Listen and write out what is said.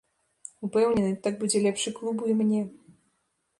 Упэўнены, так будзе лепш і клубу, і мне.